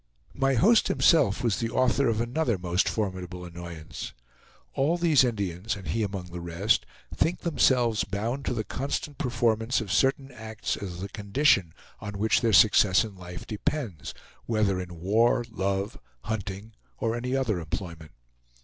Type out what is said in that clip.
My host himself was the author of another most formidable annoyance. All these Indians, and he among the rest, think themselves bound to the constant performance of certain acts as the condition on which their success in life depends, whether in war, love, hunting, or any other employment.